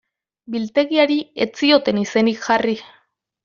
Biltegiari ez zioten izenik jarri.